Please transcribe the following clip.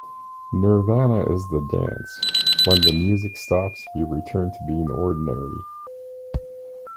Nirvana is the dance; when the music stops, you return to being ordinary.